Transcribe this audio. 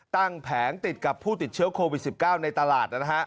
แผงติดกับผู้ติดเชื้อโควิด๑๙ในตลาด